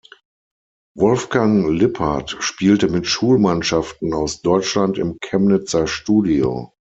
Wolfgang Lippert spielte mit Schulmannschaften aus Deutschland im Chemnitzer Studio.